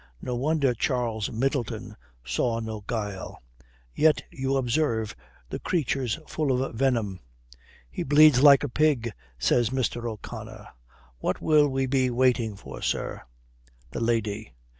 No wonder Charles Middleton saw no guile! Yet, you observe, the creature's full of venom." "He bleeds like a pig," says Mr. O'Connor. "What will we be waiting for, sir?" "The lady."